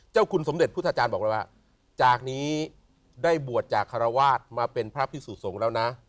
คุณสมเด็จพุทธจารย์บอกแล้วว่าจากนี้ได้บวชจากคารวาสมาเป็นพระพิสุสงฆ์แล้วนะ